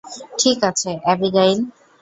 ঠিক আছে, আবিগ্যাইল।